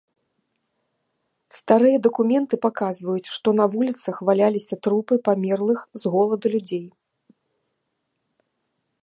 Старыя дакументы паказваюць, што на вуліцах валяліся трупы памерлых з голаду людзей.